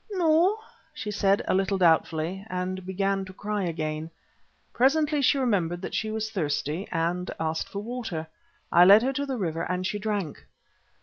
"No," she said, a little doubtfully, and began to cry again. Presently she remembered that she was thirsty, and asked for water. I led her to the river and she drank.